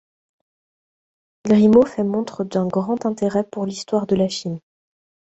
Grimaux fait montre d'un grand intérêt pour l'histoire de la chimie.